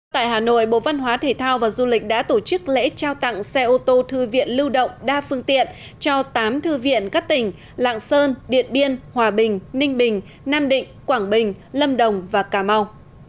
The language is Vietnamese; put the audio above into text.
tại hà nội bộ văn hóa thể thao và du lịch đã tổ chức lễ trao tặng xe ô tô thư viện lưu động đa phương tiện cho tám thư viện các tỉnh lạng sơn điện biên hòa bình ninh bình nam định quảng bình lâm đồng và cà mau